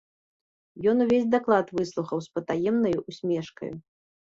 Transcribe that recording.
Ён увесь даклад выслухаў з патаемнаю ўсмешкаю.